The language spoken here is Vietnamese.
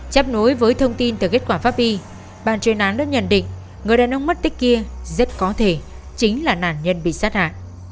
chấp nối với thông tin từ kết quả pháp vi bàn chuyên án đã nhận định người đàn ông mất tích kia rất có thể chính là nạn nhân bị sát hạ